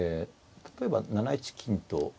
例えば７一金と。